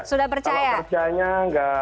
sudah percaya percaya enggak